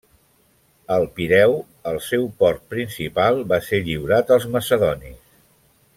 El Pireu, el seu port principal, va ser lliurat als macedonis.